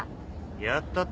やったって。